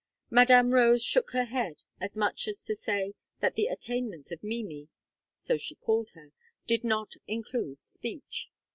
Madame Rose shook her head, as much as to say that the attainments of Mimi so she called her did not include speech.